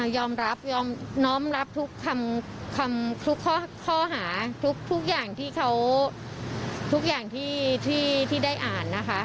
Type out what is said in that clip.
ยอมรับน้อมรับทุกข้อหาทุกอย่างที่ได้อ่านนะคะ